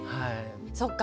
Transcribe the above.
そっか。